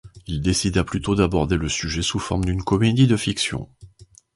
Il décida plutôt d'aborder le sujet sous forme d'une comédie de fiction.